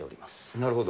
なるほど。